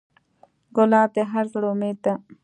ګلاب د هر زړه امید ده.